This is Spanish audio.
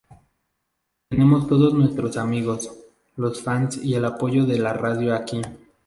Tenemos todos nuestros amigos, los fans y el apoyo de la radio aquí.